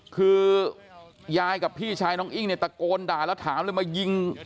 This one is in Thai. คือยายกับพี่ชายน้องอิ้งเนี่ยตะโกนด่าแล้วถามเลยมายิง